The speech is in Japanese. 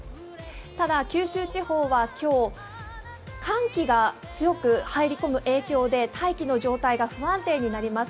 ただ、九州地方は今日、寒気が強く入り込む影響で大気の状態が不安定になります。